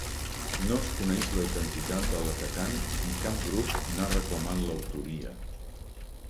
No es coneix la identitat de l'atacant i cap grup n'ha reclamat l'autoria.